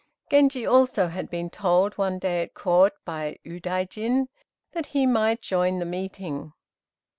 Genji also had been told one day at Court by Udaijin that he might join the meeting.